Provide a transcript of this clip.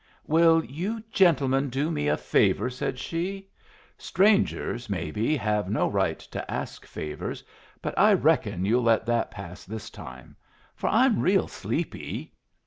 "Will you gentlemen do me a favor?" said she. "Strangers, maybe, have no right to ask favors, but I reckon you'll let that pass this time. For I'm real sleepy!"